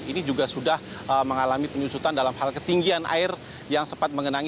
ini juga sudah mengalami penyusutan dalam hal ketinggian air yang sempat mengenangi